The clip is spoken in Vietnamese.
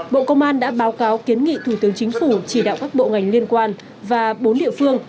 bộ công an đã báo cáo kiến nghị thủ tướng chính phủ chỉ đạo các bộ ngành liên quan và bốn địa phương